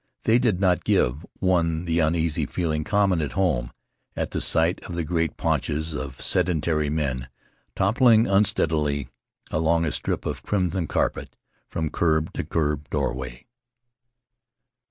They did not give one the uneasy feeling, common at home, at the sight of the great paunches of sedentary men toppling unsteadily along a strip of crimson carpet, from curb to club doorway.